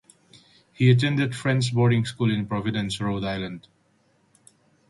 He attended Friends Boarding School in Providence, Rhode Island.